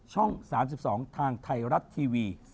ช่อง๓๒ทางไทยรัฐทีวี